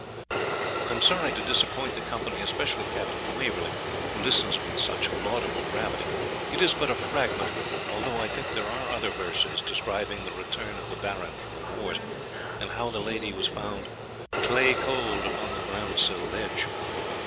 'I am sorry to disappoint the company, especially Captain Waverley, who listens with such laudable gravity; it is but a fragment, although I think there are other verses, describing the return of the Baron from the wars, and how the lady was found "clay cold upon the grounsill ledge.'"